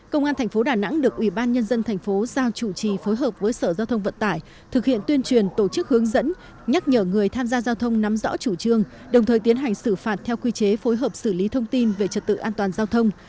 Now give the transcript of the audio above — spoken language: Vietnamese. công an thành phố đà nẵng được ủy ban nhân dân thành phố giao chủ trì phối hợp với sở giao thông vận tải thực hiện tuyên truyền tổ chức hướng dẫn nhắc nhở người tham gia giao thông nắm rõ chủ trương đồng thời tiến hành xử phạt theo quy chế phối hợp xử lý thông tin về trật tự an toàn giao thông